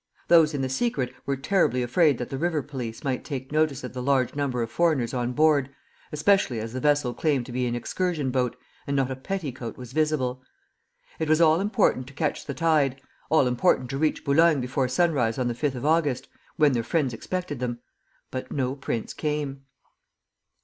Those in the secret were terribly afraid that the river police might take notice of the large number of foreigners on board, especially as the vessel claimed to be an excursion boat, and not a petticoat was visible. It was all important to catch the tide, all important to reach Boulogne before sunrise on the 5th of August, when their friends expected them. But no prince came.